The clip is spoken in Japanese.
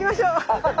ハハハ。